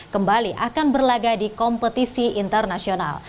kembali akan berlaga di kompetisi internasional